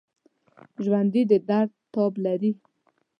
ژوندي د درد تاب لري